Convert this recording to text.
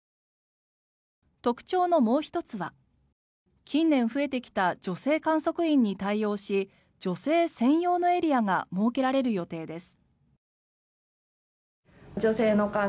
特徴のもう１つは近年増えてきた女性観測員に対応し女性専用のエリアが設けられる予定です。